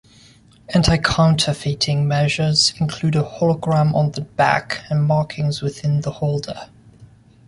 Anti-counterfeiting measures include a hologram on the back and markings within the holder.